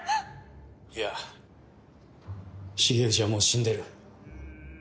いや重藤はもう死んでる。